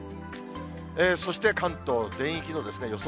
そして関東全域の予想